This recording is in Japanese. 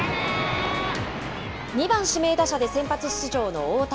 ２番指名打者で先発出場の大谷。